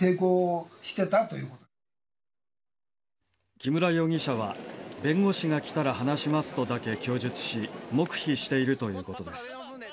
木村容疑者は弁護士が来たら話しますとだけ供述し黙秘しているということです。